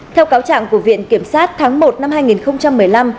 theo cáo trạng của viện kiểm sát tháng một năm hai nghìn một mươi năm